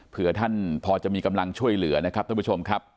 เพื่อท่านพอจะมีกำลังช่วยเหลือนะครับท่านผู้ชมครับ